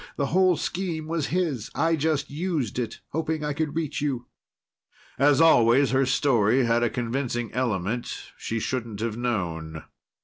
The whole scheme was his. I just used it, hoping I could reach you." As always her story had a convincing element she shouldn't have known.